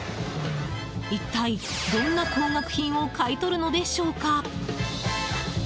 一体、どんな高額品を買い取るのでしょうか。